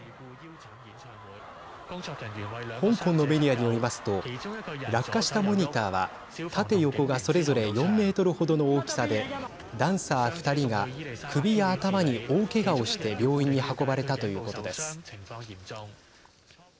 香港のメディアによりますと落下したモニターは縦横がそれぞれ４メートルほどの大きさでダンサー２人が首や頭に大けがをして病院に運ばれたということです。